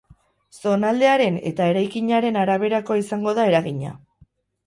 Zonaldearen eta eraikinaren araberakoa izango da eragina.